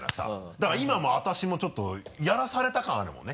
だから今も私もちょっとやらされた感あるもんね。